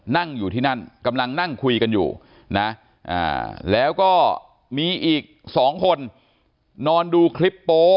นั่งอยู่ที่นั่นกำลังนั่งคุยกันอยู่นะแล้วก็มีอีก๒คนนอนดูคลิปโป๊